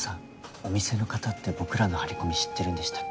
お店の方って僕らの張り込み知ってるんでしたっけ？